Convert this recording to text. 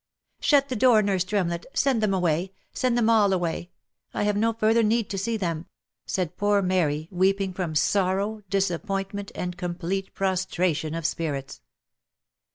" Shut the door, Nurse Tremlett !— Send them away — send them all away — I have no further need to see them !" said poor Mary, weeping from sorrow, disappointment, and complete prostration of spirits.